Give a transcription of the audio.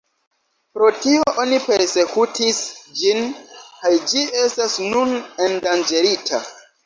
Pro tio oni persekutis ĝin kaj ĝi estas nun endanĝerita.